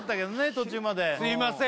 途中まですいません